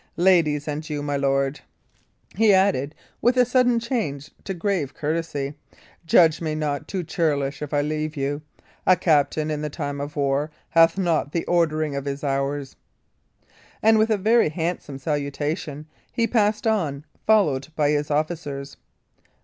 Ladies, and you, my lord," he added, with a sudden change to grave courtesy, "judge me not too churlish if I leave you. A captain, in the time of war, hath not the ordering of his hours." And with a very handsome salutation he passed on, followed by his officers.